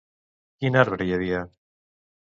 Quin arbre hi havia?